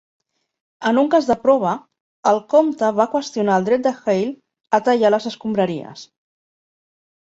En un cas de prova, el comte va qüestionar el dret de Hale a tallar les escombraries.